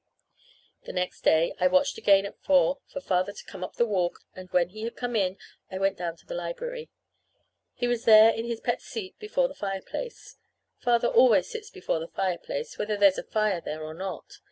The next day I watched again at four for Father to come up the walk; and when he had come in I went down to the library. He was there in his pet seat before the fireplace. (Father always sits before the fireplace, whether there's a fire there or not.